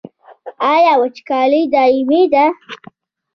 آیا وچکالي دایمي ده؟